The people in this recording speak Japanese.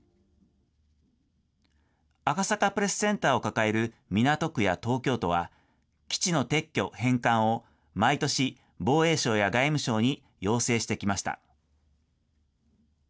赤坂プレスセンターを抱える港区や東京都は、基地の撤去・返還を、毎年、防衛省や外務省に要請してきました。